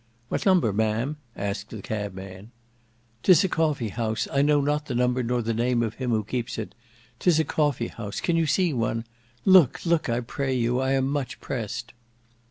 "What number. Ma'am?" asked the cabman. "'Tis a coffee house; I know not the number nor the name of him who keeps it. 'Tis a coffee house. Can you see one? Look, look, I pray you! I am much pressed."